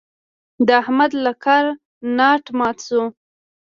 د احمد له کاره ناټ مات شو.